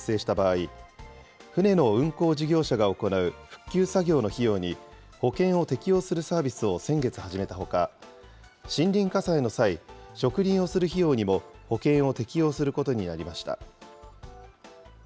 復旧作業の費用に、保険を適用するサービスを先月始めたほか、森林火災の際、植林をする費用にも、保険を適用することになりました。